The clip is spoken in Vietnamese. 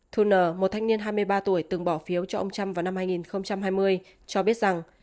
thu n một thanh niên hai mươi ba tuổi từng bỏ phiếu cho ông trump vào năm hai nghìn hai mươi cho biết rằng